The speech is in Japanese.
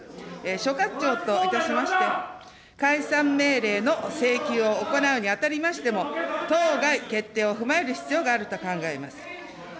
所轄庁といたしまして、解散命令の請求を行うにあたりましても、当該決定を踏まえる必要があると考えます。